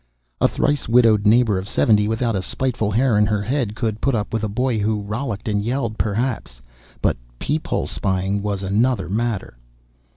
A thrice widowed neighbor of seventy without a spiteful hair in her head could put up with a boy who rollicked and yelled perhaps. But peep hole spying was another matter.